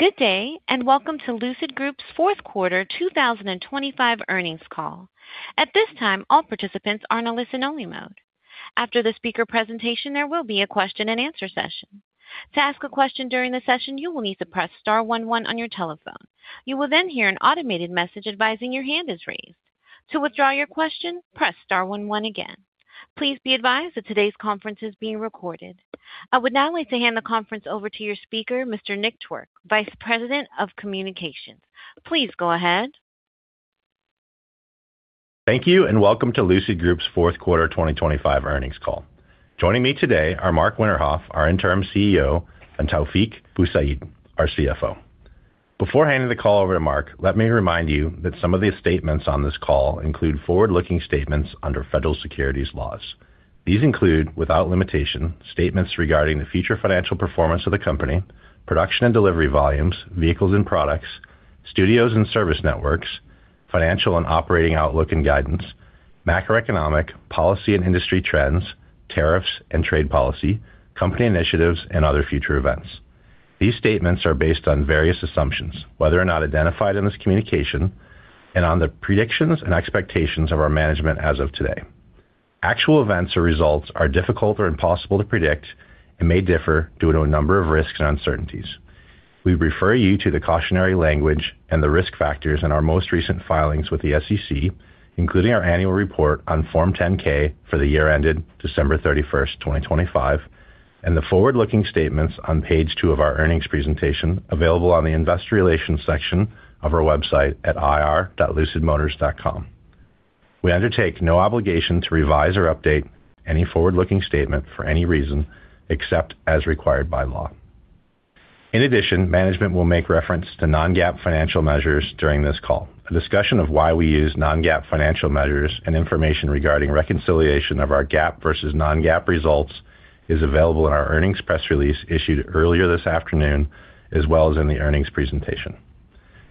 Good day, and welcome to Lucid Group's fourth quarter 2025 earnings call. At this time, all participants are in a listen-only mode. After the speaker presentation, there will be a question-and-answer session. To ask a question during the session, you will need to press star one on your telephone. You will then hear an automated message advising your hand is raised. To withdraw your question, press star 1 again. Please be advised that today's conference is being recorded. I would now like to hand the conference over to your speaker, Mr. Nick Twork, Vice President of Communications. Please go ahead. Thank you, and welcome to Lucid Group's fourth quarter 2025 earnings call. Joining me today are Marc Winterhoff, our interim CEO, and Taoufiq Boussaid, our CFO. Before handing the call over to Marc, let me remind you that some of the statements on this call include forward-looking statements under federal securities laws. These include, without limitation, statements regarding the future financial performance of the company, production and delivery volumes, vehicles and products, studios and service networks, financial and operating outlook and guidance, macroeconomic, policy and industry trends, tariffs and trade policy, company initiatives, and other future events. These statements are based on various assumptions, whether or not identified in this communication, and on the predictions and expectations of our management as of today. Actual events or results are difficult or impossible to predict and may differ due to a number of risks and uncertainties. We refer you to the cautionary language and the risk factors in our most recent filings with the SEC, including our annual report on Form 10-K for the year ended December 31st, 2025, and the forward-looking statements on page two of our earnings presentation, available on the investor relations section of our website at ir.lucidmotors.com. We undertake no obligation to revise or update any forward-looking statement for any reason, except as required by law. Management will make reference to non-GAAP financial measures during this call. A discussion of why we use non-GAAP financial measures and information regarding reconciliation of our GAAP versus non-GAAP results is available in our earnings press release issued earlier this afternoon, as well as in the earnings presentation.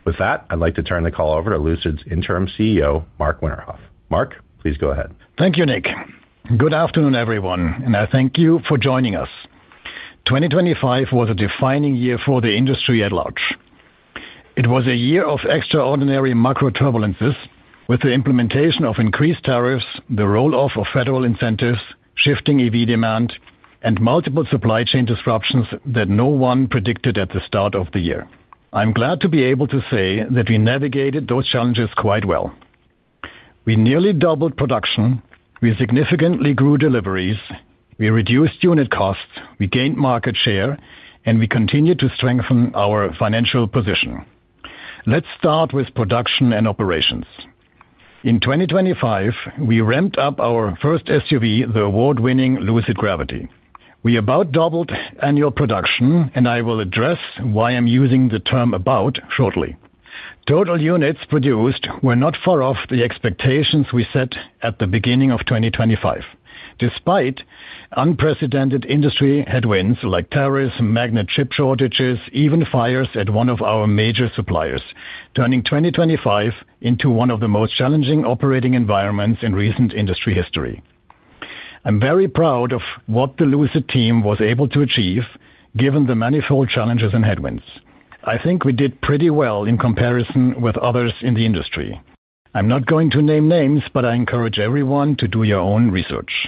With that, I'd like to turn the call over to Lucid's interim CEO, Marc Winterhoff. Marc, please go ahead. Thank you, Nick. Good afternoon, everyone. I thank you for joining us. 2025 was a defining year for the industry at large. It was a year of extraordinary macro turbulences, with the implementation of increased tariffs, the roll-off of federal incentives, shifting EV demand, and multiple supply chain disruptions that no one predicted at the start of the year. I'm glad to be able to say that we navigated those challenges quite well. We nearly doubled production, we significantly grew deliveries, we reduced unit costs, we gained market share, and we continued to strengthen our financial position. Let's start with production and operations. In 2025, we ramped up our first SUV, the award-winning Lucid Gravity. We about doubled annual production. I will address why I'm using the term about shortly. Total units produced were not far off the expectations we set at the beginning of 2025, despite unprecedented industry headwinds like tariffs, magnet chip shortages, even fires at one of our major suppliers, turning 2025 into one of the most challenging operating environments in recent industry history. I'm very proud of what the Lucid team was able to achieve, given the manifold challenges and headwinds. I think we did pretty well in comparison with others in the industry. I'm not going to name names, but I encourage everyone to do your own research.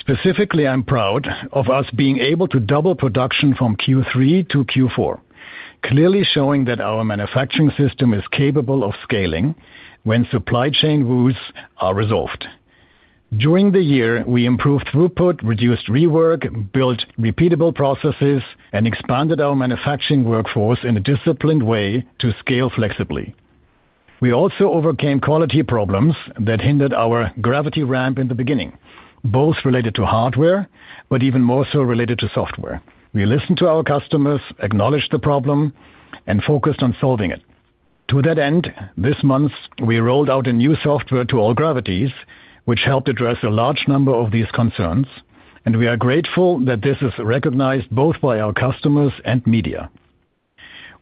Specifically, I'm proud of us being able to double production from Q3 to Q4, clearly showing that our manufacturing system is capable of scaling when supply chain routes are resolved. During the year, we improved throughput, reduced rework, built repeatable processes, and expanded our manufacturing workforce in a disciplined way to scale flexibly. We also overcame quality problems that hindered our Gravity ramp in the beginning, both related to hardware, but even more so related to software. We listened to our customers, acknowledged the problem, and focused on solving it. To that end, this month, we rolled out a new software to all Gravities, which helped address a large number of these concerns, and we are grateful that this is recognized both by our customers and media.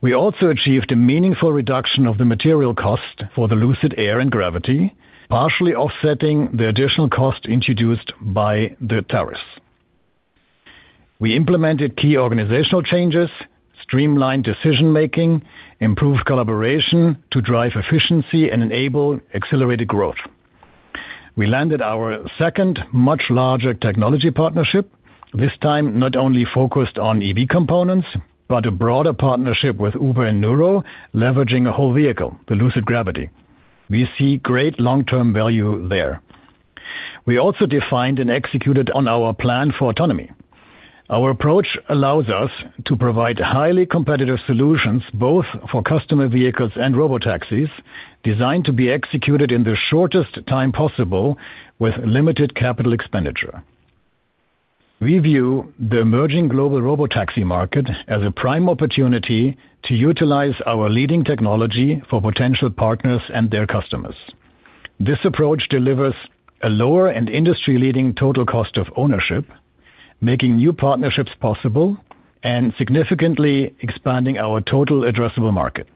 We also achieved a meaningful reduction of the material cost for the Lucid Air and Gravity, partially offsetting the additional cost introduced by the tariffs. We implemented key organizational changes, streamlined decision-making, improved collaboration to drive efficiency, and enable accelerated growth. We landed our second much larger technology partnership, this time not only focused on EV components, but a broader partnership with Uber and Nuro, leveraging a whole vehicle, the Lucid Gravity. We see great long-term value there. We also defined and executed on our plan for autonomy. Our approach allows us to provide highly competitive solutions, both for customer vehicles and robotaxis, designed to be executed in the shortest time possible with limited capital expenditure. We view the emerging global robotaxi market as a prime opportunity to utilize our leading technology for potential partners and their customers. This approach delivers a lower and industry-leading total cost of ownership, making new partnerships possible and significantly expanding our total addressable market.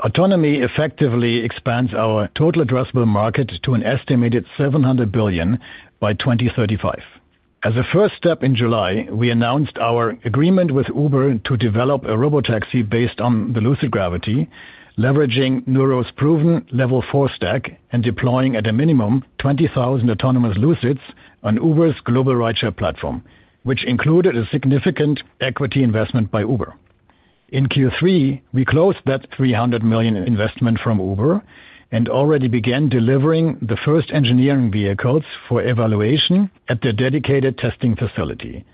Autonomy effectively expands our total addressable market to an estimated $700 billion by 2035. As a first step in July, we announced our agreement with Uber to develop a robotaxi based on the Lucid Gravity, leveraging Nuro's proven Level 4 stack, and deploying at a minimum, 20,000 autonomous Lucids on Uber's global rideshare platform, which included a significant equity investment by Uber. In Q3, we closed that $300 million investment from Uber, and already began delivering the first engineering vehicles for evaluation at their dedicated testing facility.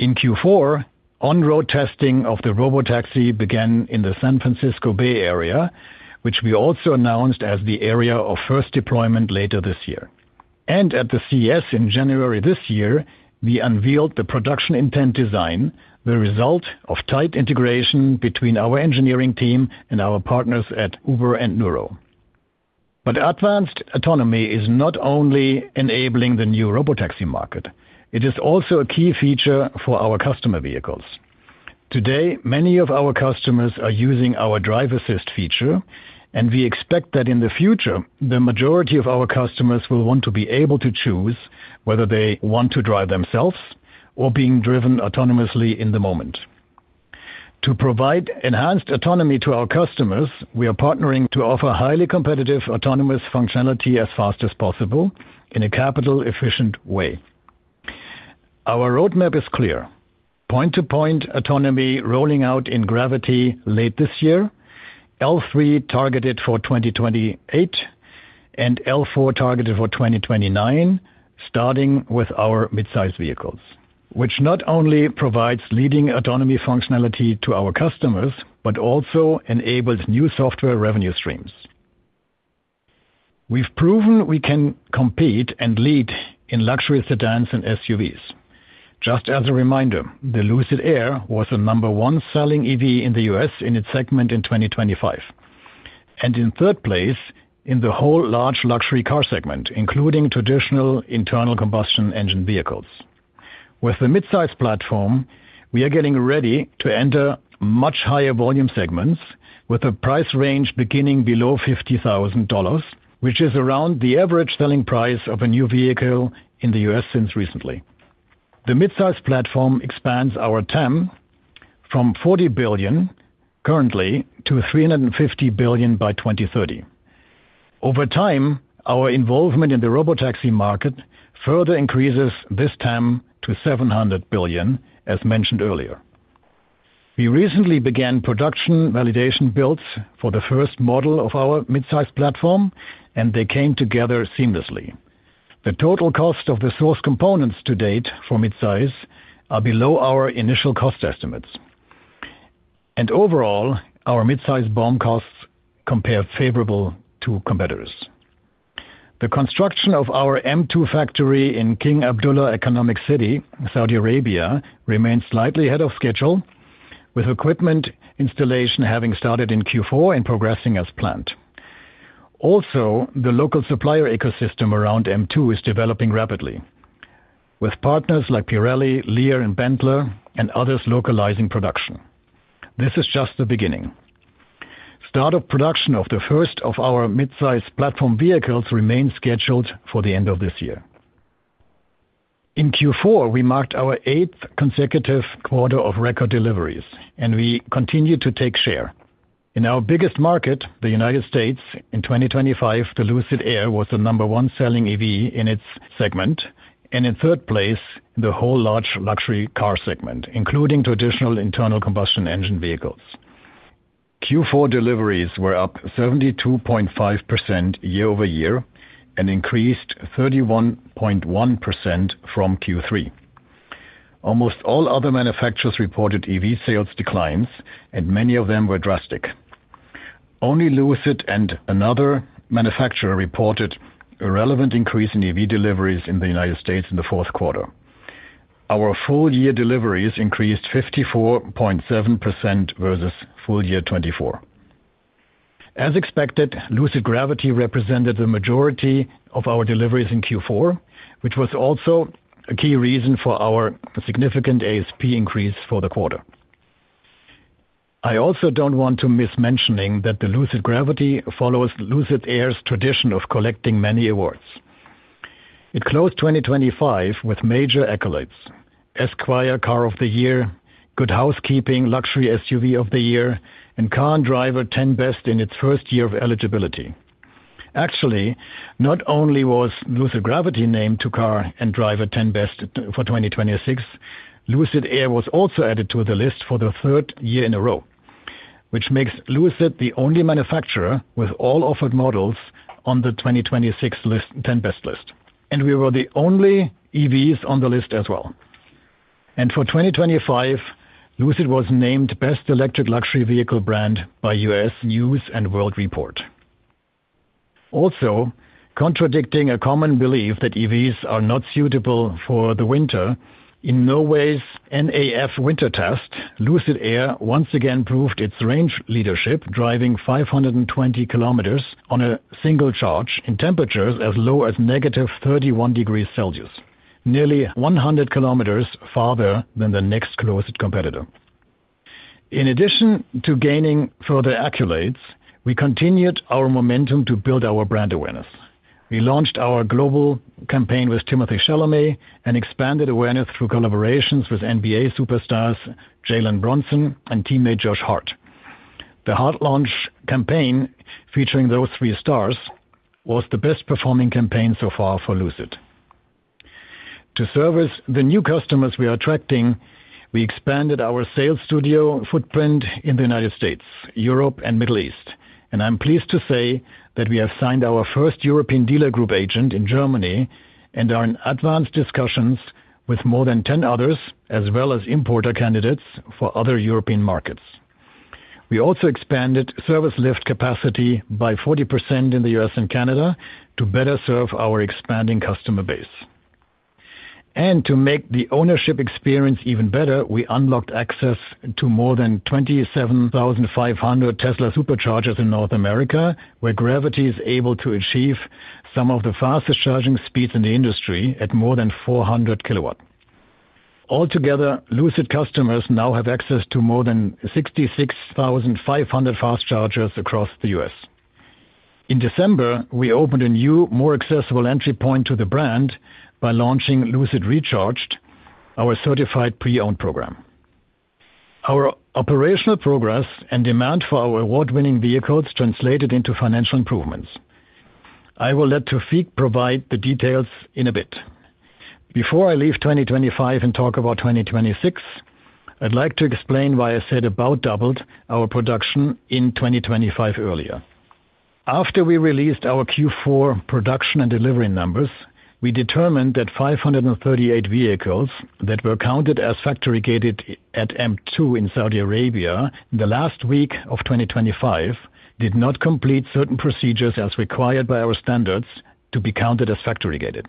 In Q4, on-road testing of the robotaxi began in the San Francisco Bay Area, which we also announced as the area of first deployment later this year. At the CES in January this year, we unveiled the production intent design, the result of tight integration between our engineering team and our partners at Uber and Nuro. Advanced autonomy is not only enabling the new robotaxi market, it is also a key feature for our customer vehicles. Today, many of our customers are using our drive assist feature, and we expect that in the future, the majority of our customers will want to be able to choose whether they want to drive themselves or being driven autonomously in the moment. To provide enhanced autonomy to our customers, we are partnering to offer highly competitive autonomous functionality as fast as possible in a capital-efficient way. Our roadmap is clear: point-to-point autonomy rolling out in Gravity late this year, L3 targeted for 2028, and L4 targeted for 2029, starting with our mid-size vehicles, which not only provides leading autonomy functionality to our customers, but also enables new software revenue streams. We've proven we can compete and lead in luxury sedans and SUVs. Just as a reminder, the Lucid Air was the number one selling EV in the U.S. in its segment in 2025, and in third place in the whole large luxury car segment, including traditional internal combustion engine vehicles. With the midsize platform, we are getting ready to enter much higher volume segments with a price range beginning below $50,000, which is around the average selling price of a new vehicle in the U.S. since recently. The midsize platform expands our TAM from $40 billion currently to $350 billion by 2030. Over time, our involvement in the robotaxi market further increases this TAM to $700 billion, as mentioned earlier. We recently began production validation builds for the first model of our midsize platform, and they came together seamlessly. The total cost of the source components to date for midsize are below our initial cost estimates. Overall, our midsize BOM costs compare favorable to competitors. The construction of our M2 factory in King Abdullah Economic City, Saudi Arabia, remains slightly ahead of schedule, with equipment installation having started in Q4 and progressing as planned. The local supplier ecosystem around M2 is developing rapidly, with partners like Pirelli, Lear, and Benteler and others localizing production. This is just the beginning. Startup production of the first of our midsize platform vehicles remains scheduled for the end of this year. In Q4, we marked our 8th consecutive quarter of record deliveries, and we continued to take share. In our biggest market, the United States, in 2025, the Lucid Air was the number one selling EV in its segment, and in third place in the whole large luxury car segment, including traditional internal combustion engine vehicles. Q4 deliveries were up 72.5% year-over-year and increased 31.1% from Q3. Almost all other manufacturers reported EV sales declines, and many of them were drastic. Only Lucid and another manufacturer reported a relevant increase in EV deliveries in the United States in the fourth quarter. Our full year deliveries increased 54.7% versus full year 2024. As expected, Lucid Gravity represented the majority of our deliveries in Q4, which was also a key reason for our significant ASP increase for the quarter. I also don't want to miss mentioning that the Lucid Gravity follows Lucid Air's tradition of collecting many awards. It closed 2025 with major accolades: Esquire Car of the Year, Good Housekeeping Luxury SUV of the Year, and Car and Driver 10Best in its first year of eligibility. Actually, not only was Lucid Gravity named to Car and Driver 10Best for 2026, Lucid Air was also added to the list for the third year in a row, which makes Lucid the only manufacturer with all offered models on the 2026 list, 10Best list. We were the only EVs on the list as well. For 2025, Lucid was named Best Electric Luxury Vehicle Brand by U.S. News & World Report. Contradicting a common belief that EVs are not suitable for the winter, in Norway's NAF Winter Test, Lucid Air once again proved its range leadership, driving 520 kilometers on a single charge in temperatures as low as negative 31 degrees Celsius. Nearly 100 kilometers farther than the next closest competitor. In addition to gaining further accolades, we continued our momentum to build our brand awareness. We launched our global campaign with Timothée Chalamet, and expanded awareness through collaborations with NBA superstars Jalen Brunson and teammate Josh Hart. The Hart launch campaign, featuring those three stars, was the best performing campaign so far for Lucid. To service the new customers we are attracting, we expanded our sales studio footprint in the United States, Europe, and Middle East, and I'm pleased to say that we have signed our first European dealer group agent in Germany, and are in advanced discussions with more than 10 others, as well as importer candidates for other European markets. We also expanded service lift capacity by 40% in the US and Canada to better serve our expanding customer base. To make the ownership experience even better, we unlocked access to more than 27,500 Tesla Superchargers in North America, where Gravity is able to achieve some of the fastest charging speeds in the industry at more than 400 KW. Altogether, Lucid customers now have access to more than 66,500 fast chargers across the U.S.. In December, we opened a new, more accessible entry point to the brand by launching Lucid Recharged, our certified pre-owned program. Our operational progress and demand for our award-winning vehicles translated into financial improvements. I will let Taoufiq provide the details in a bit. Before I leave 2025 and talk about 2026, I'd like to explain why I said about doubled our production in 2025 earlier. After we released our Q4 production and delivery numbers, we determined that 538 vehicles that were counted as factory-gated at AM2 in Saudi Arabia in the last week of 2025, did not complete certain procedures as required by our standards to be counted as factory-gated.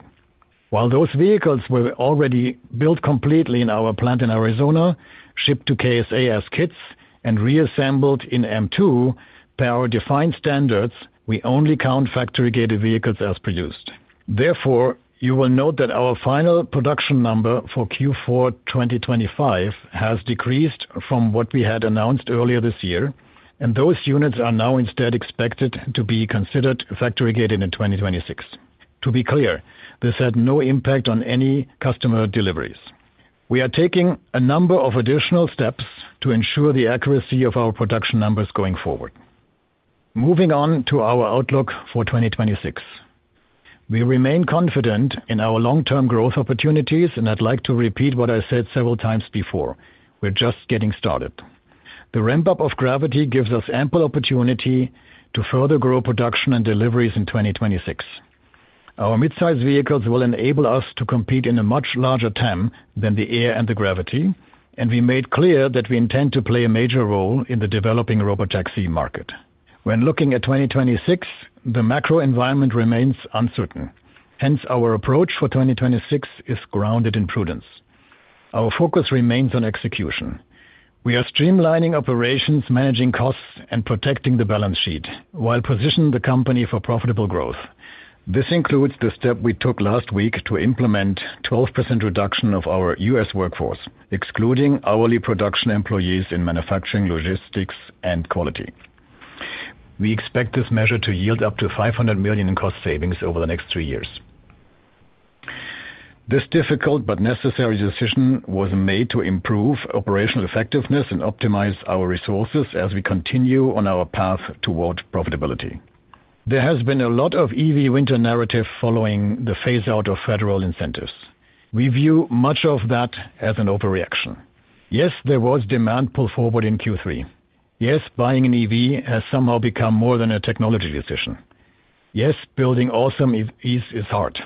While those vehicles were already built completely in our plant in Arizona, shipped to KSA as kits, and reassembled in AM2, per our defined standards, we only count factory-gated vehicles as produced. Therefore, you will note that our final production number for Q4 2025 has decreased from what we had announced earlier this year, and those units are now instead expected to be considered factory-gated in 2026. To be clear, this had no impact on any customer deliveries. We are taking a number of additional steps to ensure the accuracy of our production numbers going forward. Moving on to our outlook for 2026. We remain confident in our long-term growth opportunities, and I'd like to repeat what I said several times before: We're just getting started. The ramp-up of Gravity gives us ample opportunity to further grow production and deliveries in 2026. Our midsize vehicles will enable us to compete in a much larger TAM than the Air and the Gravity, and we made clear that we intend to play a major role in the developing robotaxi market. When looking at 2026, the macro environment remains uncertain, hence, our approach for 2026 is grounded in prudence. Our focus remains on execution. We are streamlining operations, managing costs, and protecting the balance sheet while positioning the company for profitable growth. This includes the step we took last week to implement 12% reduction of our U.S. workforce, excluding hourly production employees in manufacturing, logistics, and quality. We expect this measure to yield up to $500 million in cost savings over the next three years. This difficult but necessary decision was made to improve operational effectiveness and optimize our resources as we continue on our path towards profitability. There has been a lot of EV winter narrative following the phaseout of federal incentives. We view much of that as an overreaction. Yes, there was demand pull forward in Q3. Yes, buying an EV has somehow become more than a technology decision. Yes, building awesome EVs is hard.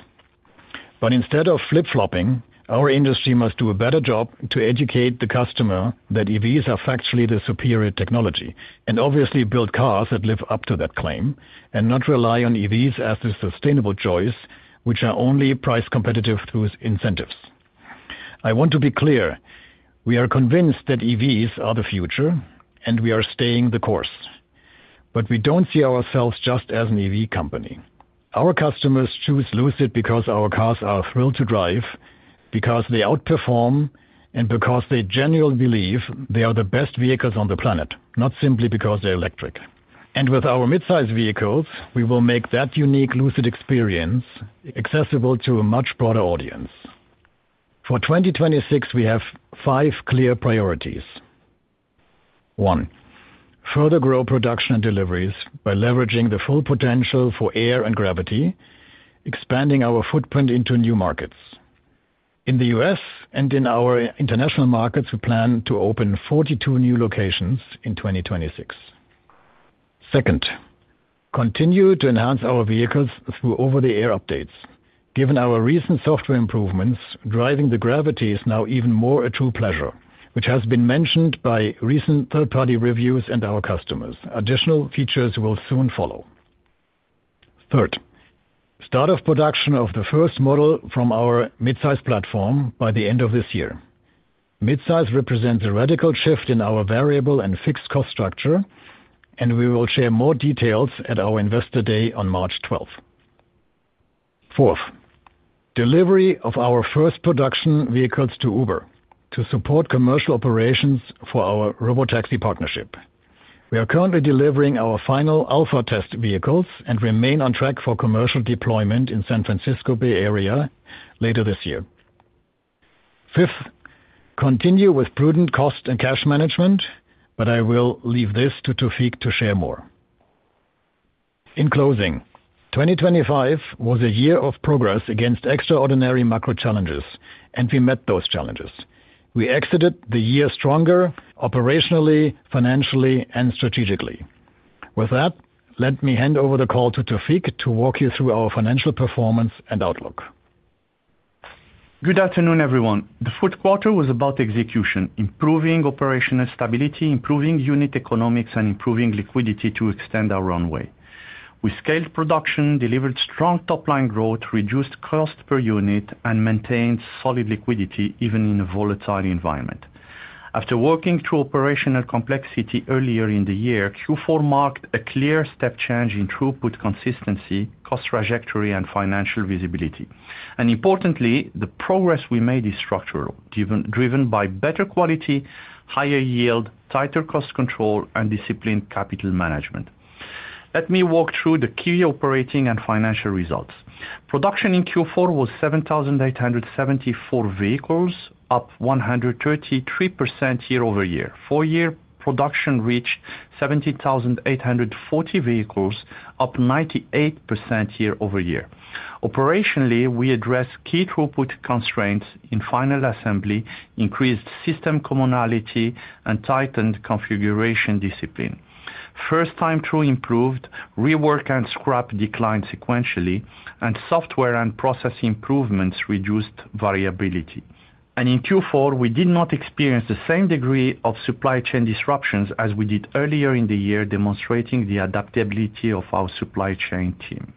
Instead of flip-flopping, our industry must do a better job to educate the customer that EVs are factually the superior technology, and obviously build cars that live up to that claim, and not rely on EVs as the sustainable choice, which are only price competitive through incentives. I want to be clear, we are convinced that EVs are the future, and we are staying the course. We don't see ourselves just as an EV company. Our customers choose Lucid because our cars are a thrill to drive, because they outperform, and because they genuinely believe they are the best vehicles on the planet, not simply because they're electric. With our midsize vehicles, we will make that unique Lucid experience accessible to a much broader audience. For 2026, we have five clear priorities. One, further grow production and deliveries by leveraging the full potential for Air and Gravity, expanding our footprint into new markets. In the U.S. and in our international markets, we plan to open 42 new locations in 2026. Second, continue to enhance our vehicles through over-the-air updates. Given our recent software improvements, driving the Gravity is now even more a true pleasure, which has been mentioned by recent third-party reviews and our customers. Additional features will soon follow. Third, start of production of the first model from our midsize platform by the end of this year. Midsize represents a radical shift in our variable and fixed cost structure, and we will share more details at our Investor Day on March 12th. Fourth, delivery of our first production vehicles to Uber to support commercial operations for our Robotaxi partnership. We are currently delivering our final alpha test vehicles, remain on track for commercial deployment in San Francisco Bay Area later this year. Fifth, continue with prudent cost and cash management, I will leave this to Taoufiq to share more. In closing, 2025 was a year of progress against extraordinary macro challenges, we met those challenges. We exited the year stronger operationally, financially, and strategically. With that, let me hand over the call to Taoufiq to walk you through our financial performance and outlook. Good afternoon, everyone. The fourth quarter was about execution, improving operational stability, improving unit economics, and improving liquidity to extend our runway. We scaled production, delivered strong top-line growth, reduced cost per unit, and maintained solid liquidity, even in a volatile environment. After working through operational complexity earlier in the year, Q4 marked a clear step change in throughput consistency, cost trajectory, and financial visibility. Importantly, the progress we made is structural, driven by better quality, higher yield, tighter cost control, and disciplined capital management. Let me walk through the key operating and financial results. Production in Q4 was 7,874 vehicles, up 133% year-over-year. Four-year production reached 70,840 vehicles, up 98% year-over-year. Operationally, we addressed key throughput constraints in final assembly, increased system commonality, and tightened configuration discipline. First time through improved, rework and scrap declined sequentially, software and process improvements reduced variability. In Q4, we did not experience the same degree of supply chain disruptions as we did earlier in the year, demonstrating the adaptability of our supply chain team.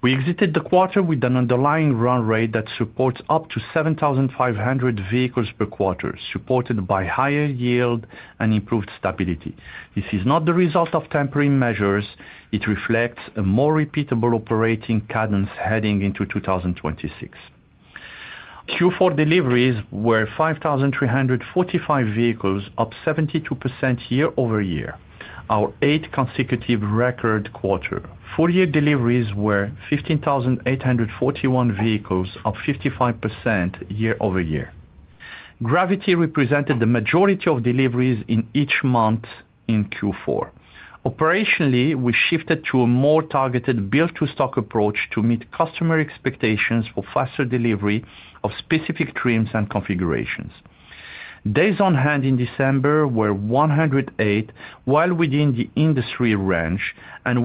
We exited the quarter with an underlying run rate that supports up to 7,500 vehicles per quarter, supported by higher yield and improved stability. This is not the result of temporary measures; it reflects a more repeatable operating cadence heading into 2026. Q4 deliveries were 5,345 vehicles, up 72% year-over-year, our eighth consecutive record quarter. Full year deliveries were 15,841 vehicles, up 55% year-over-year. Gravity represented the majority of deliveries in each month in Q4. Operationally, we shifted to a more targeted build-to-stock approach to meet customer expectations for faster delivery of specific trims and configurations. Days on hand in December were 108, while within the industry range.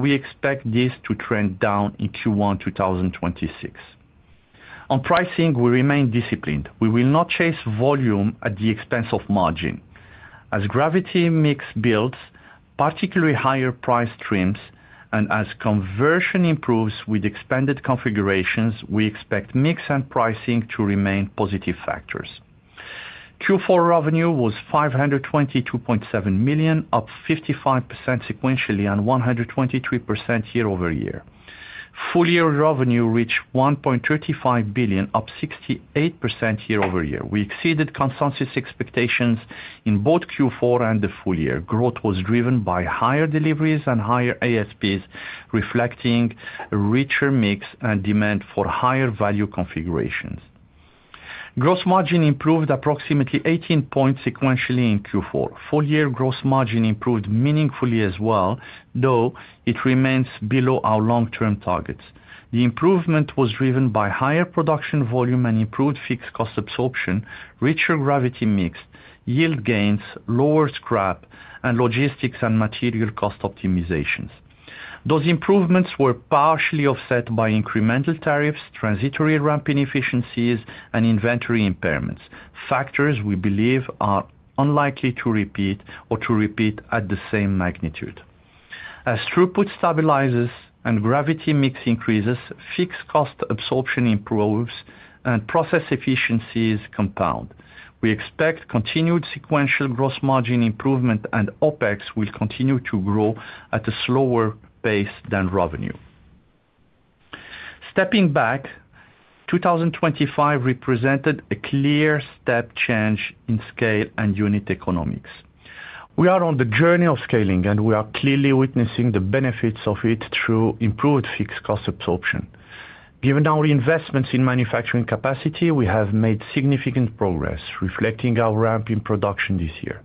We expect this to trend down in Q1 2026. On pricing, we remain disciplined. We will not chase volume at the expense of margin. As Gravity mix builds, particularly higher priced trims, and as conversion improves with expanded configurations, we expect mix and pricing to remain positive factors. Q4 revenue was $522.7 million, up 55% sequentially and 123% year-over-year. Full year revenue reached $1.35 billion, up 68% year-over-year. We exceeded consensus expectations in both Q4 and the full year. Growth was driven by higher deliveries and higher ASPs, reflecting a richer mix and demand for higher value configurations. Gross margin improved approximately 18 points sequentially in Q4. Full year gross margin improved meaningfully as well, though it remains below our long-term targets. The improvement was driven by higher production volume and improved fixed cost absorption, richer Gravity mix, yield gains, lower scrap, and logistics and material cost optimizations. Those improvements were partially offset by incremental tariffs, transitory ramp inefficiencies, and inventory impairments, factors we believe are unlikely to repeat or to repeat at the same magnitude. As throughput stabilizes and Gravity mix increases, fixed cost absorption improves and process efficiencies compound. We expect continued sequential gross margin improvement, and OpEx will continue to grow at a slower pace than revenue. Stepping back, 2025 represented a clear step change in scale and unit economics. We are on the journey of scaling, and we are clearly witnessing the benefits of it through improved fixed cost absorption. Given our investments in manufacturing capacity, we have made significant progress, reflecting our ramp in production this year.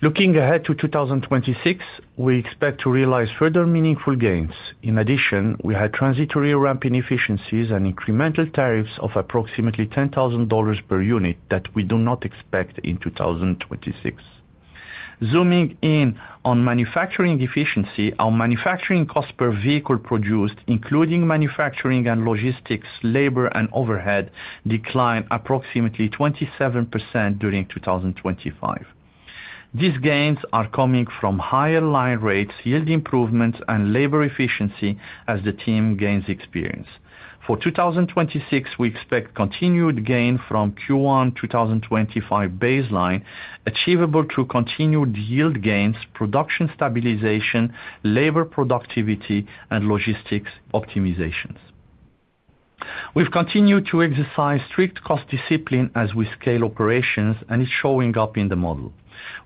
Looking ahead to 2026, we expect to realize further meaningful gains. In addition, we had transitory ramp inefficiencies and incremental tariffs of approximately $10,000 per unit that we do not expect in 2026. Zooming in on manufacturing efficiency, our manufacturing cost per vehicle produced, including manufacturing and logistics, labor and overhead, declined approximately 27% during 2025. These gains are coming from higher line rates, yield improvements, and labor efficiency as the team gains experience. For 2026, we expect continued gain from Q1-2025 baseline, achievable through continued yield gains, production stabilization, labor productivity, and logistics optimizations. We've continued to exercise strict cost discipline as we scale operations, it's showing up in the model.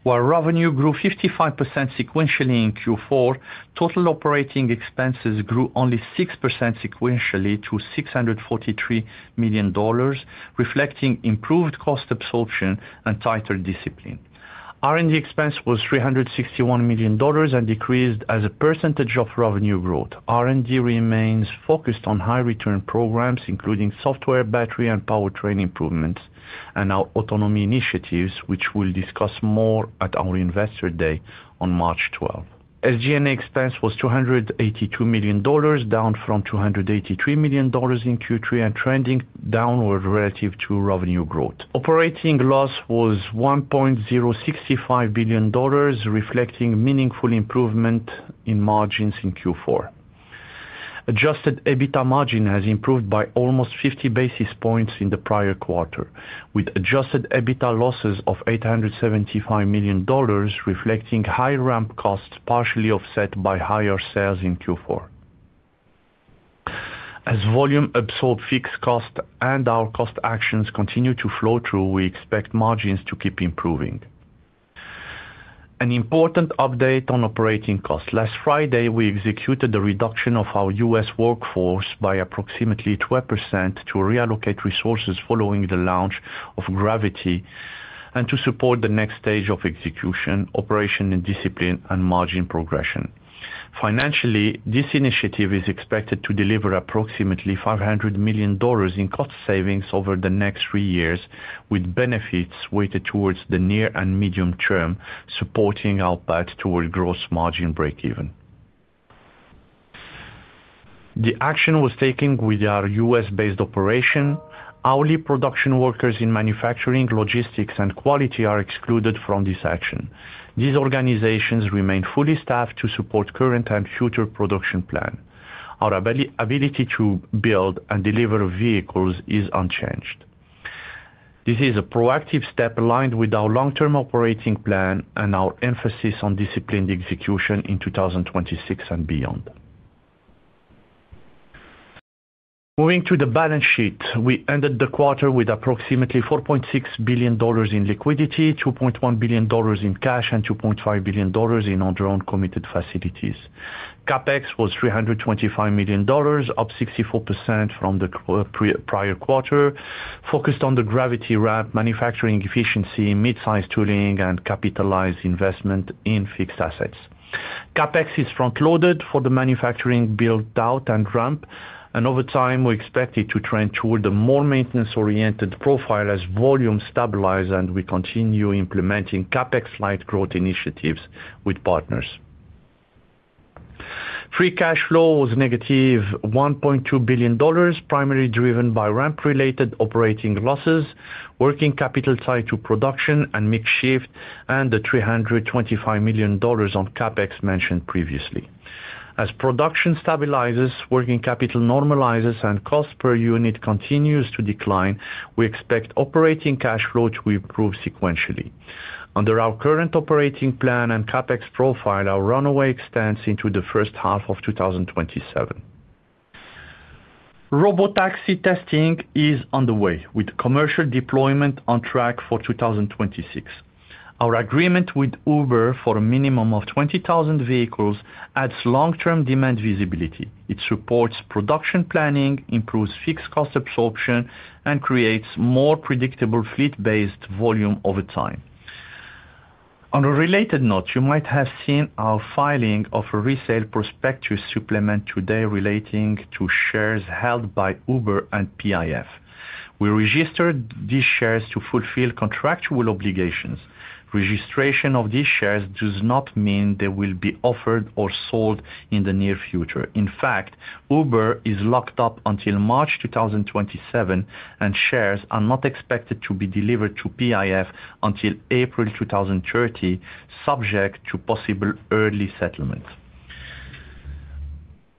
While revenue grew 55% sequentially in Q4, total operating expenses grew only 6% sequentially to $643 million, reflecting improved cost absorption and tighter discipline. R&D expense was $361 million and decreased as a percentage of revenue growth. R&D remains focused on high-return programs, including software, battery, and powertrain improvements, and our autonomy initiatives, which we'll discuss more at our Investor Day on March 12th. SG&A expense was $282 million, down from $283 million in Q3, and trending downward relative to revenue growth. Operating loss was $1.065 billion, reflecting meaningful improvement in margins in Q4. Adjusted EBITDA margin has improved by almost 50 basis points in the prior quarter, with adjusted EBITDA losses of $875 million, reflecting high ramp costs, partially offset by higher sales in Q4. As volume absorb fixed cost and our cost actions continue to flow through, we expect margins to keep improving. An important update on operating costs. Last Friday, we executed the reduction of our U.S. workforce by approximately 12% to reallocate resources following the launch of Gravity, and to support the next stage of execution, operation, and discipline, and margin progression. Financially, this initiative is expected to deliver approximately $500 million in cost savings over the next three years, with benefits weighted towards the near and medium term, supporting our path toward gross margin breakeven. The action was taken with our U.S.-based operation. Hourly production workers in manufacturing, logistics, and quality are excluded from this action. These organizations remain fully staffed to support current and future production plan. Our ability to build and deliver vehicles is unchanged. This is a proactive step aligned with our long-term operating plan and our emphasis on disciplined execution in 2026 and beyond. Moving to the balance sheet. We ended the quarter with approximately $4.6 billion in liquidity, $2.1 billion in cash, and $2.5 billion in undrawn committed facilities. CapEx was $325 million, up 64% from the prior quarter, focused on the Gravity ramp, manufacturing efficiency, mid-size tooling, and capitalized investment in fixed assets. CapEx is front-loaded for the manufacturing build-out and ramp, and over time, we expect it to trend toward a more maintenance-oriented profile as volume stabilize, and we continue implementing CapEx light growth initiatives with partners. Free cash flow was negative $1.2 billion, primarily driven by ramp-related operating losses, working capital tied to production and mix shift, and the $325 million on CapEx mentioned previously. As production stabilizes, working capital normalizes, and cost per unit continues to decline, we expect operating cash flow to improve sequentially. Under our current operating plan and CapEx profile, our runway extends into the first half of 2027. Robotaxi testing is on the way, with commercial deployment on track for 2026. Our agreement with Uber for a minimum of 20,000 vehicles adds long-term demand visibility. It supports production planning, improves fixed cost absorption, and creates more predictable fleet-based volume over time. On a related note, you might have seen our filing of a resale prospectus supplement today relating to shares held by Uber and PIF. We registered these shares to fulfill contractual obligations. Registration of these shares does not mean they will be offered or sold in the near future. In fact, Uber is locked up until March 2027, and shares are not expected to be delivered to PIF until April 2030, subject to possible early settlement.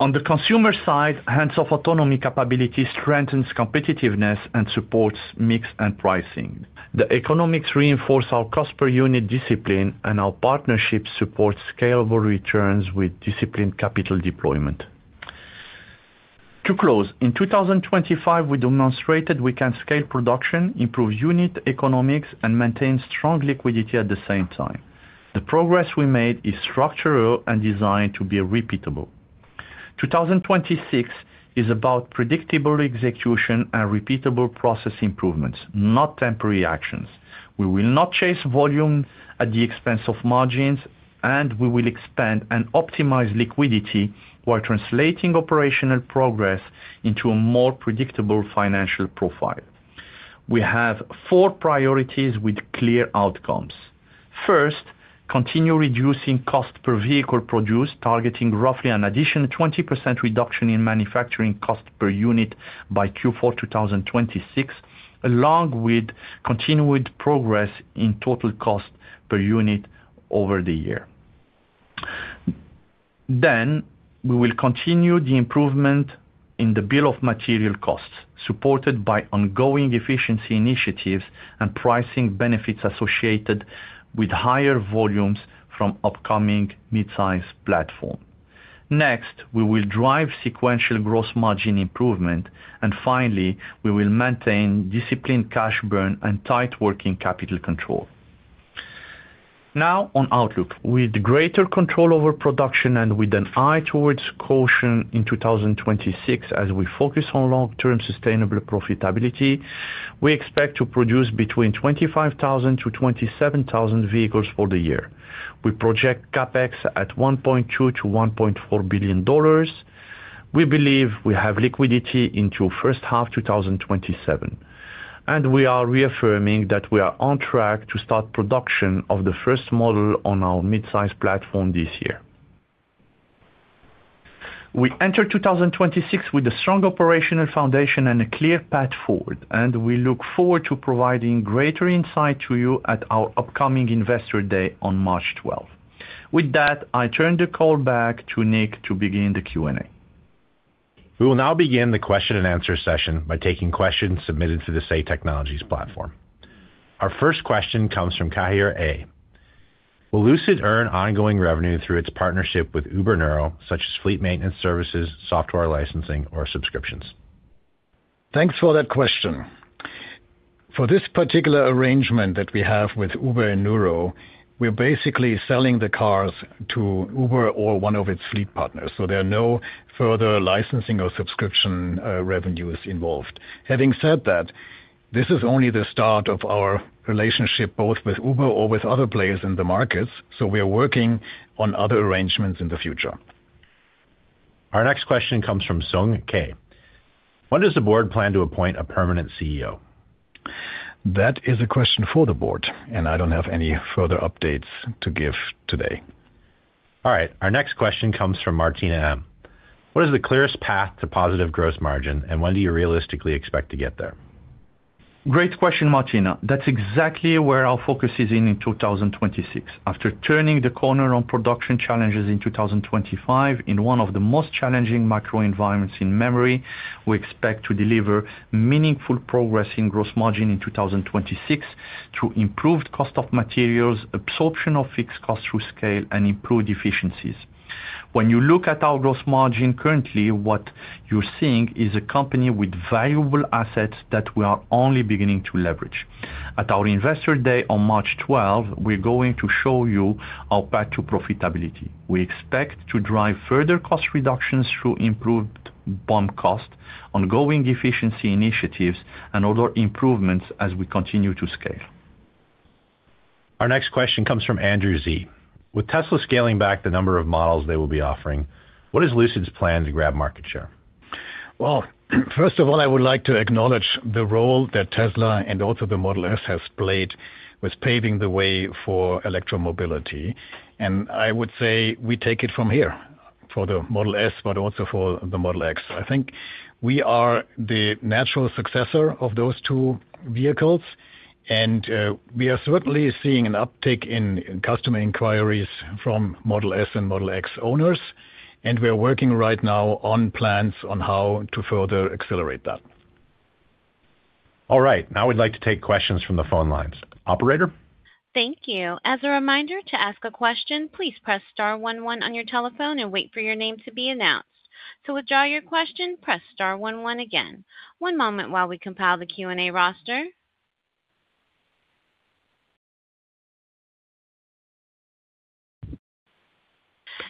On the consumer side, hands-off autonomy capability strengthens competitiveness and supports mix and pricing. The economics reinforce our cost per unit discipline, and our partnerships support scalable returns with disciplined capital deployment. To close, in 2025, we demonstrated we can scale production, improve unit economics, and maintain strong liquidity at the same time. The progress we made is structural and designed to be repeatable. 2026 is about predictable execution and repeatable process improvements, not temporary actions. We will not chase volume at the expense of margins. We will expand and optimize liquidity while translating operational progress into a more predictable financial profile. We have four priorities with clear outcomes. First, continue reducing cost per vehicle produced, targeting roughly an additional 20% reduction in manufacturing cost per unit by Q4 2026, along with continued progress in total cost per unit over the year. We will continue the improvement in the bill of material costs, supported by ongoing efficiency initiatives and pricing benefits associated with higher volumes from upcoming mid-size platform. We will drive sequential gross margin improvement. Finally, we will maintain disciplined cash burn and tight working capital control. Now on outlook. With greater control over production and with an eye towards caution in 2026, as we focus on long-term sustainable profitability, we expect to produce between 25,000-27,000 vehicles for the year. We project CapEx at $1.2 billion-$1.4 billion. We believe we have liquidity into first half 2027. We are reaffirming that we are on track to start production of the first model on our mid-size platform this year. We enter 2026 with a strong operational foundation and a clear path forward. We look forward to providing greater insight to you at our upcoming Investor Day on March 12th. With that, I turn the call back to Nick to begin the Q&A. We will now begin the question-and-answer session by taking questions submitted to the Say Technologies platform. Our first question comes from Khair A.: Will Lucid earn ongoing revenue through its partnership with Uber and Nuro, such as fleet maintenance services, software licensing, or subscriptions? Thanks for that question. For this particular arrangement that we have with Uber and Nuro, we're basically selling the cars to Uber or one of its fleet partners, so there are no further licensing or subscription revenues involved. Having said that, this is only the start of our relationship, both with Uber or with other players in the market, so we are working on other arrangements in the future. Our next question comes from Shreyas Patil: When does the board plan to appoint a permanent CEO? That is a question for the board, and I don't have any further updates to give today. All right. Our next question comes from John Murphy: What is the clearest path to positive gross margin, and when do you realistically expect to get there? Great question, John Murphy. That's exactly where our focus is in 2026. After turning the corner on production challenges in 2025, in one of the most challenging macro environments in memory, we expect to deliver meaningful progress in gross margin in 2026 through improved cost of materials, absorption of fixed costs through scale and improved efficiencies. When you look at our gross margin currently, what you're seeing is a company with valuable assets that we are only beginning to leverage. At our Investor Day on March 12, we're going to show you our path to profitability. We expect to drive further cost reductions through improved BOM cost, ongoing efficiency initiatives, and other improvements as we continue to scale. Our next question comes from Andrew Z: With Tesla scaling back the number of models they will be offering, what is Lucid's plan to grab market share? Well, first of all, I would like to acknowledge the role that Tesla and also the Model S has played with paving the way for electromobility. I would say we take it from here for the Model S, but also for the Model X. I think we are the natural successor of those two vehicles. We are certainly seeing an uptick in customer inquiries from Model S and Model X owners. We are working right now on plans on how to further accelerate that. All right, now we'd like to take questions from the phone lines. Operator? Thank you. As a reminder, to ask a question, please press star one one on your telephone and wait for your name to be announced. To withdraw your question, press star one one again. One moment while we compile the Q&A roster.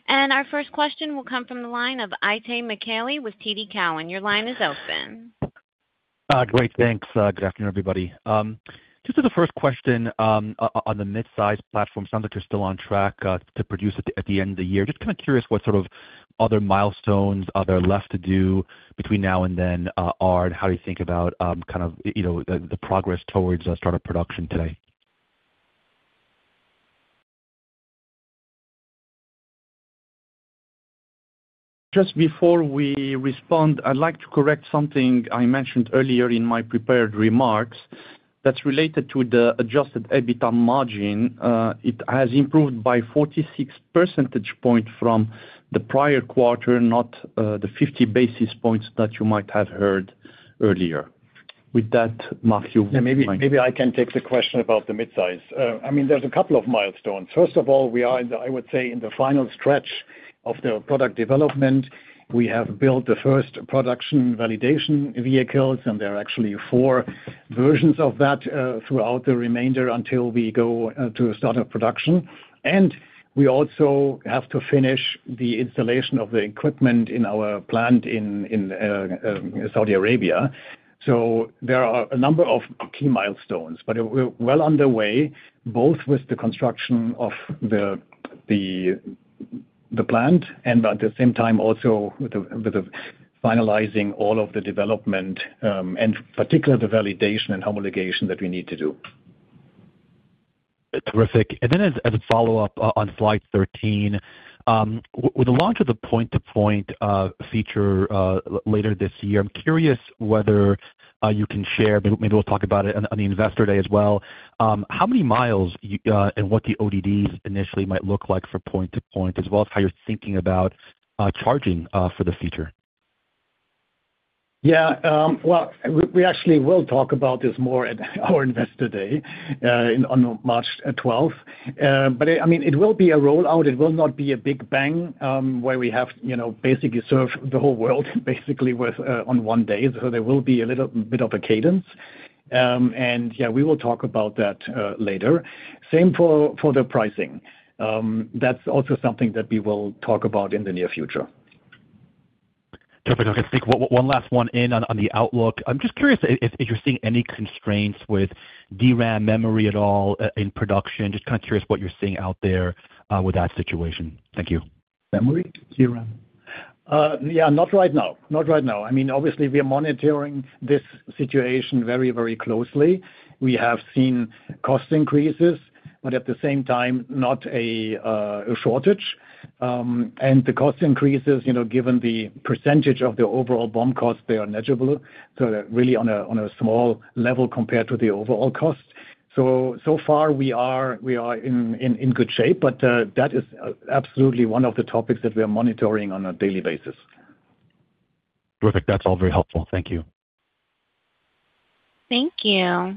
Our first question will come from the line of Itay Michaeli with TD Cowen. Your line is open. Great, thanks. Good afternoon, everybody. Just as the first question, on the mid-size platform, sounds like you're still on track to produce at the end of the year. Just kind of curious what sort of other milestones are there left to do between now and then, and how do you think about kind of, you know, the progress towards start of production today? Just before we respond, I'd like to correct something I mentioned earlier in my prepared remarks that's related to the adjusted EBITDA margin. It has improved by 46 percentage point from the prior quarter, not the 50 basis points that you might have heard earlier. With that, Marc- Maybe I can take the question about the midsize. I mean, there's a couple of milestones. First of all, we are in the, I would say, in the final stretch of the product development. We have built the first production validation vehicles, and there are actually four versions of that, throughout the remainder until we go to start of production. We also have to finish the installation of the equipment in our plant in Saudi Arabia. There are a number of key milestones, but we're well underway, both with the construction of the plant and at the same time also with the finalizing all of the development, and particularly the validation and homologation that we need to do. Terrific. As, as a follow-up on Flight Thirteen, with the launch of the point-to-point feature, later this year, I'm curious whether you can share, maybe we'll talk about it on the Investor Day as well, how many miles you and what the ODDs initially might look like for point-to-point, as well as how you're thinking about charging for the feature? Yeah, well, we actually will talk about this more at our Investor Day, in, on March 12. I mean, it will be a rollout. It will not be a big bang, where we have, you know, basically served the whole world, basically with, on one day. There will be a little bit of a cadence. Yeah, we will talk about that later. Same for the pricing. That's also something that we will talk about in the near future. Perfect. Taoufiq, one last one in on the outlook. I'm just curious if you're seeing any constraints with DRAM memory at all in production? Just kinda curious what you're seeing out there with that situation. Thank you. Memory, DRAM? Yeah, not right now. Not right now. I mean, obviously, we are monitoring this situation very, very closely. We have seen cost increases. At the same time, not a shortage. The cost increases, you know, given the percentage of the overall BOM costs, they are negligible, so they're really on a small level compared to the overall cost. So far we are in good shape. That is absolutely one of the topics that we are monitoring on a daily basis. Perfect. That's all very helpful. Thank you. Thank you.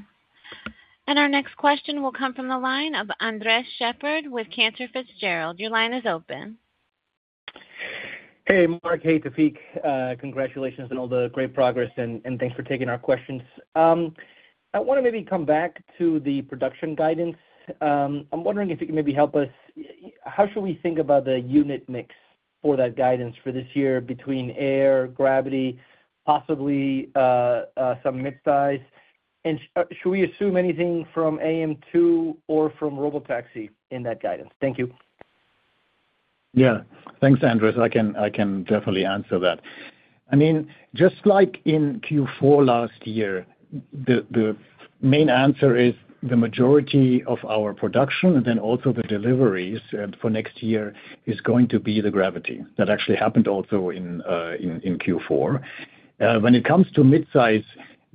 Our next question will come from the line of Andres Sheppard with Cantor Fitzgerald. Your line is open. Hey, Marc Winterhoff. Hey, Taoufiq Boussaid. Congratulations on all the great progress, and thanks for taking our questions. I wanna maybe come back to the production guidance. I'm wondering if you can maybe help us, how should we think about the unit mix for that guidance for this year between Lucid Air, Lucid Gravity, possibly, some midsize? Should we assume anything from AM2 or from Robotaxi in that guidance? Thank you. Yeah. Thanks, Andres. I can definitely answer that. I mean, just like in Q4 last year, the main answer is the majority of our production and then also the deliveries for next year is going to be the Gravity. That actually happened also in Q4. When it comes to midsize,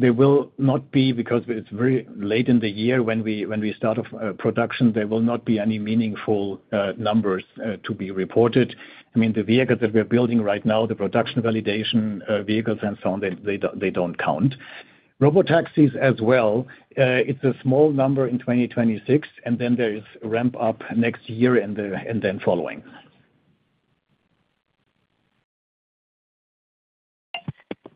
there will not be because it's very late in the year when we start of production, there will not be any meaningful numbers to be reported. I mean, the vehicles that we're building right now, the production validation vehicles and so on, they don't count. Robotaxis as well, it's a small number in 2026, and then there is ramp up next year and then following.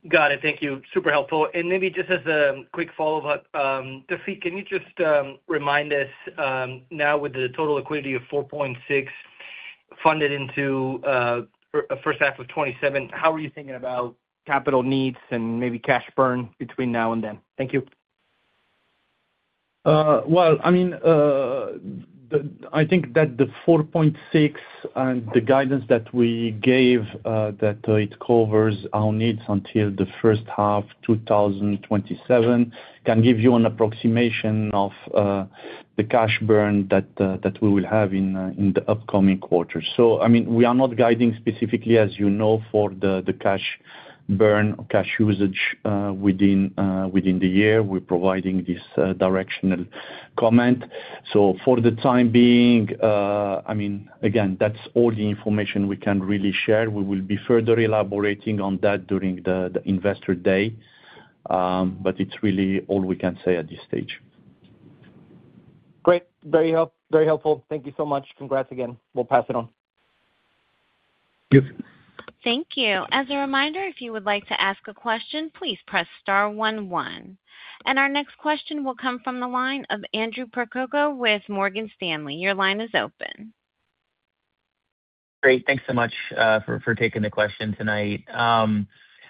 Got it. Thank you. Super helpful. Maybe just as a quick follow-up, Taoufiq, can you just remind us, now with the total liquidity of $4.6 funded into first half of 2027, how are you thinking about capital needs and maybe cash burn between now and then? Thank you. Well, I mean, I think that the 4.6 and the guidance that we gave, that it covers our needs until the first half 2027, can give you an approximation of the cash burn that we will have in the upcoming quarters. I mean, we are not guiding specifically, as you know, for the cash burn or cash usage within the year. We're providing this directional comment. For the time being, I mean, again, that's all the information we can really share. We will be further elaborating on that during the Investor Day, but it's really all we can say at this stage. Great. Very helpful. Thank you so much. Congrats again. We'll pass it on. Thank you. Thank you. As a reminder, if you would like to ask a question, please press star one one. Our next question will come from the line of Andrew Perugi with Morgan Stanley. Your line is open. Great. Thanks so much for taking the question tonight.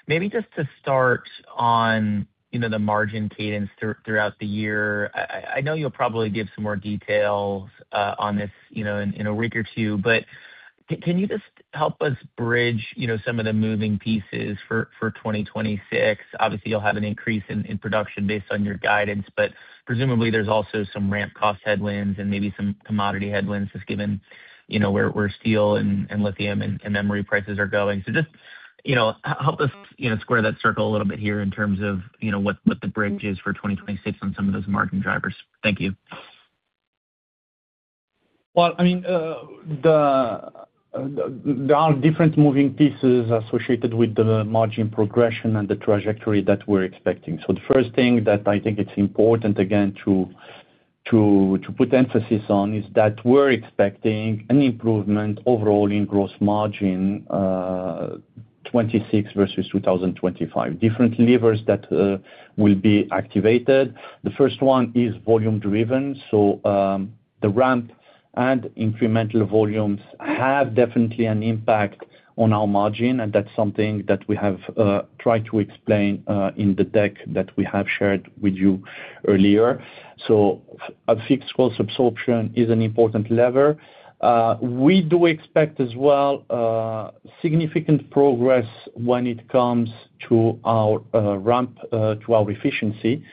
Maybe just to start on, you know, the margin cadence throughout the year. I know you'll probably give some more details on this, you know, in a week or two, but can you just help us bridge, you know, some of the moving pieces for 2026? Obviously, you'll have an increase in production based on your guidance, but presumably, there's also some ramp cost headwinds and maybe some commodity headwinds, just given, you know, where steel and lithium and memory prices are going. Just, you know, help us, you know, square that circle a little bit here in terms of, you know, what the bridge is for 2026 on some of those margin drivers. Thank you. Well, I mean, there are different moving pieces associated with the margin progression and the trajectory that we're expecting. The first thing that I think it's important again, to put emphasis on, is that we're expecting an improvement overall in gross margin, 26 versus 2025. Different levers that will be activated. The first one is volume driven, so the ramp and incremental volumes have definitely an impact on our margin, and that's something that we have tried to explain in the deck that we have shared with you earlier. A fixed cost absorption is an important lever. We do expect as well significant progress when it comes to our ramp to our efficiency.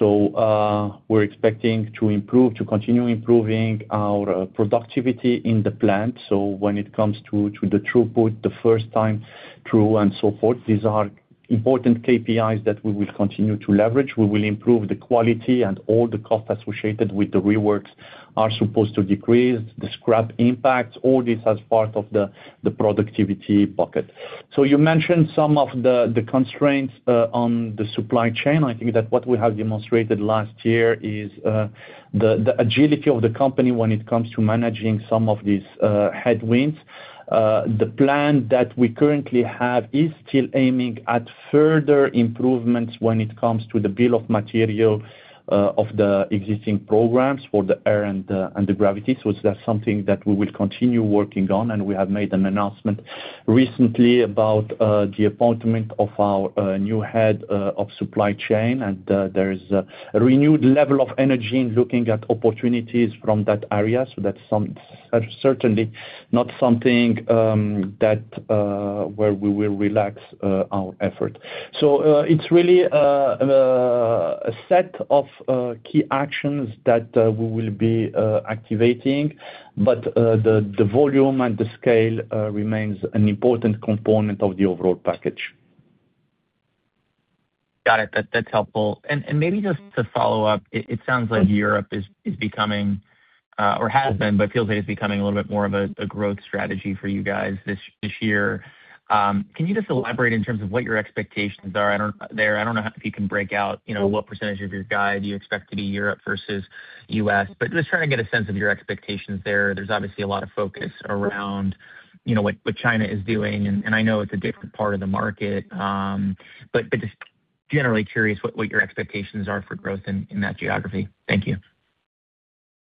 We're expecting to improve, to continue improving our productivity in the plant. When it comes to the throughput, the First Time Through and so forth, these are important KPIs that we will continue to leverage. We will improve the quality and all the costs associated with the reworks are supposed to decrease. The scrap impacts, all this as part of the productivity bucket. You mentioned some of the constraints on the supply chain. I think that what we have demonstrated last year is the agility of the company when it comes to managing some of these headwinds. The plan that we currently have is still aiming at further improvements when it comes to the bill of material of the existing programs for the Air and the Gravity. That's something that we will continue working on, and we have made an announcement recently about the appointment of our new head of supply chain, and there is a renewed level of energy in looking at opportunities from that area. That's certainly not something that where we will relax our effort. It's really a set of key actions that we will be activating, but the volume and the scale remains an important component of the overall package. Got it. That's helpful. Maybe just to follow up, it sounds like Europe is becoming or has been, but feels like it's becoming a little bit more of a growth strategy for you guys this year. Can you just elaborate in terms of what your expectations are? I don't know if you can break out, you know, what percentage of your guide you expect to be Europe versus U.S., but just trying to get a sense of your expectations there. There's obviously a lot of focus around, you know, what China is doing, and I know it's a different part of the market, just generally curious what your expectations are for growth in that geography. Thank you.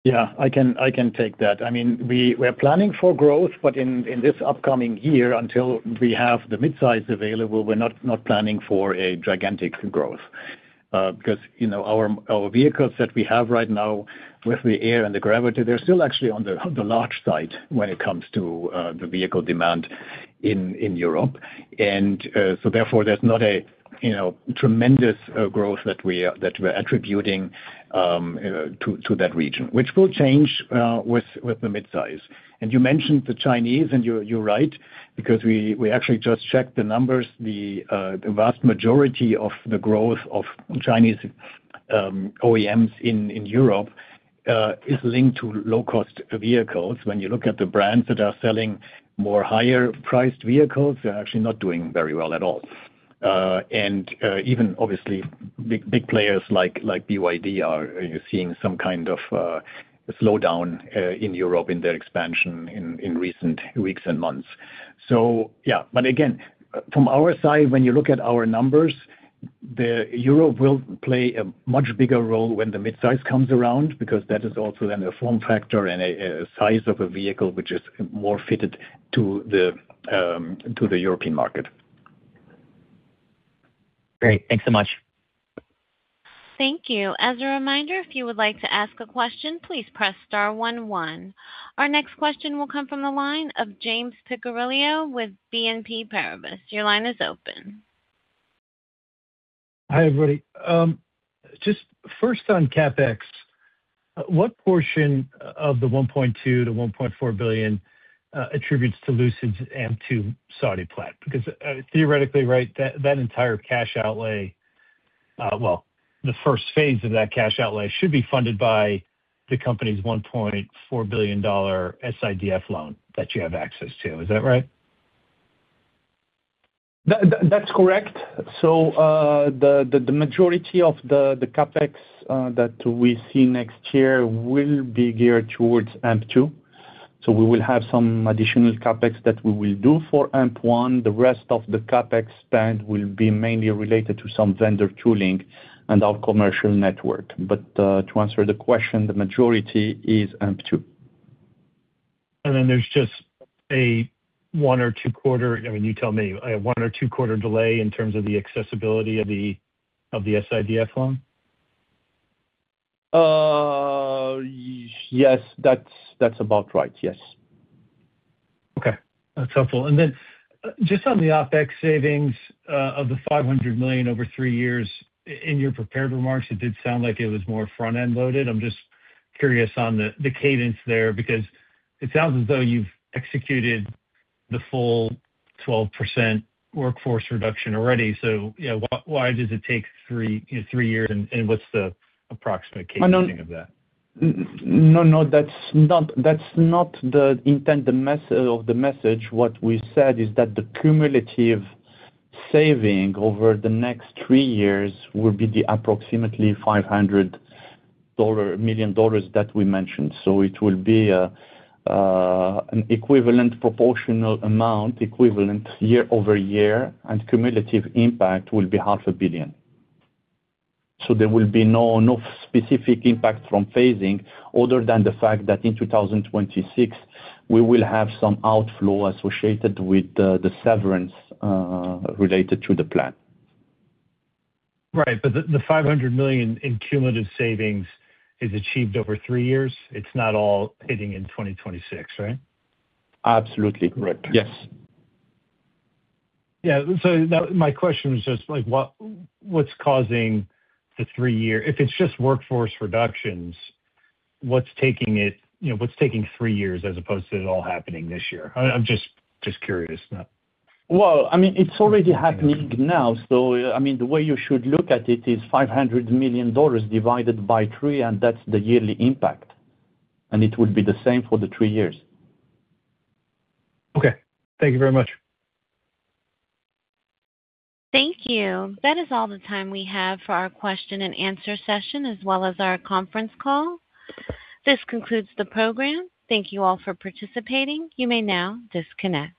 Yeah, I can take that. I mean, we're planning for growth, but in this upcoming year, until we have the midsize available, we're not planning for a gigantic growth. Because, you know, our vehicles that we have right now with the Air and the Gravity, they're still actually on the large side when it comes to the vehicle demand in Europe. Therefore, there's not a, you know, tremendous growth that we are that we're attributing to that region, which will change with the midsize. You mentioned the Chinese, and you're right, because we actually just checked the numbers. The vast majority of the growth of Chinese OEMs in Europe is linked to low-cost vehicles. When you look at the brands that are selling more higher-priced vehicles, they're actually not doing very well at all. Even obviously, big players like BYD, are seeing some kind of slowdown in Europe in their expansion in recent weeks and months. Yeah. Again, from our side, when you look at our numbers, the Europe will play a much bigger role when the midsize comes around, because that is also then a form factor and a size of a vehicle which is more fitted to the European market. Great. Thanks so much. Thank you. As a reminder, if you would like to ask a question, please press star one. Our next question will come from the line of James Picariello with BNP Paribas. Your line is open. Hi, everybody. Just first on CapEx, what portion of the $1.2 billion-$1.4 billion attributes to Lucid's AMP2 Saudi plant? Theoretically, right, that entire cash outlay, well, the first phase of that cash outlay should be funded by the company's $1.4 billion SIDF loan that you have access to. Is that right? That's correct. The majority of the CapEx that we see next year will be geared towards AMP2. We will have some additional CapEx that we will do for AMP1. The rest of the CapEx spend will be mainly related to some vendor tooling and our commercial network. To answer the question, the majority is AMP2. there's just a one or two quarter, I mean, you tell me, a one or two quarter delay in terms of the accessibility of the SIDF loan? Yes, that's about right, yes. Okay. That's helpful. Just on the OpEx savings of the $500 million over three years, in your prepared remarks, it did sound like it was more front-end loaded. I'm just curious on the cadence there, because it sounds as though you've executed the full 12% workforce reduction already. You know, why does it take three years, and what's the approximate cadence of that? No, that's not, that's not the intent of the message. What we said is that the cumulative saving over the next three years will be the approximately $500 million that we mentioned. It will be an equivalent proportional amount, equivalent year-over-year, and cumulative impact will be half a billion. There will be no specific impact from phasing other than the fact that in 2026, we will have some outflow associated with the severance related to the plan. Right. The $500 million in cumulative savings is achieved over three years. It's not all hitting in 2026, right? Absolutely correct. Yes. Yeah. Now my question was just like, what's causing the three year? If it's just workforce reductions, what's taking it, you know, what's taking three years as opposed to it all happening this year? I'm just curious now. Well, I mean, it's already happening now. I mean, the way you should look at it is $500 million divided by three, and that's the yearly impact, and it will be the same for the three years. Okay. Thank you very much. Thank you. That is all the time we have for our question and answer session, as well as our conference call. This concludes the program. Thank you all for participating. You may now disconnect.